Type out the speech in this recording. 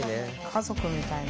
家族みたいな。